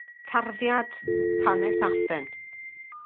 Tarddiad: Hanes Athen.